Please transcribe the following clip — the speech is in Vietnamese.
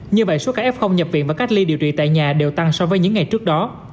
như vậy số ca f nhập viện và cách ly điều trị tại nhà đều tăng so với những ngày trước đó